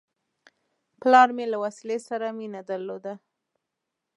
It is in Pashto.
پلار مې له وسلې سره مینه درلوده.